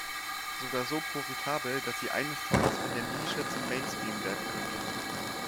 Sogar so profitabel, dass sie eines Tages von der Nische zum Mainstream werden könnte.